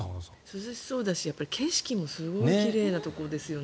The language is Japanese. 涼しそうだし、景色もすごい奇麗なところですよね。